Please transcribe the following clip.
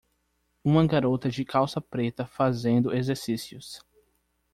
Uma garota de calça preta fazendo exercícios.